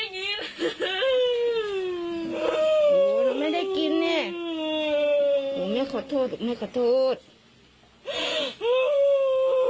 นี่ชื่ออะไรครับ